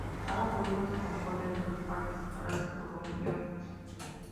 Cada código se compone de dos partes, separadas por un guion.